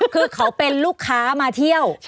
คือเขาเป็นลูกค้ามาเที่ยว